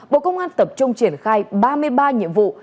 bộ công an tập trung triển khai ba mươi ba nhiệm vụ